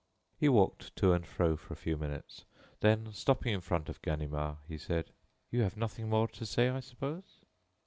He walked to and fro for a few minutes, then, stopping in front of Ganimard, he said: "You have nothing more to say, I suppose?"